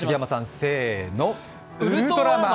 せーの、ウルトラマン！